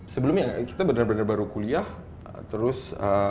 sebelumnya kita bener bener baru kuliah terus